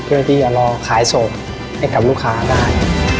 เพื่อที่จะรอขายส่งให้กับลูกค้าได้